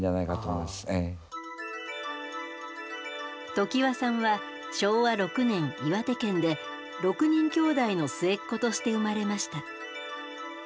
常盤さんは昭和６年岩手県で６人きょうだいの末っ子として生まれました。